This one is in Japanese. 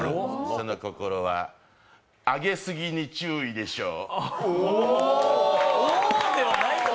その心は、あげすぎに注意でしょう。